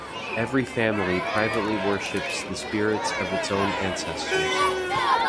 Every family privately worships the spirits of its own ancestors.